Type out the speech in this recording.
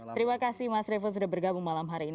terima kasih mas revo sudah bergabung malam hari ini